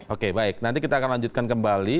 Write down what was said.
oke baik nanti kita akan lanjutkan kembali